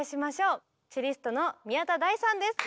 チェリストの宮田大さんです！